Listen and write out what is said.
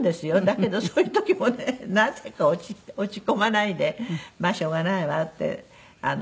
だけどそういう時もねなぜか落ち込まないでまあしょうがないわって。